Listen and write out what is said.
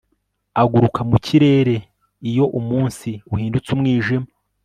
aguruka mu kirere iyo umunsi uhindutse umwijima